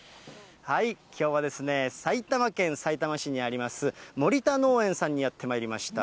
きょうは、埼玉県さいたま市にあります森田農園さんにやってまいりました。